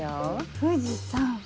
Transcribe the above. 藤さん！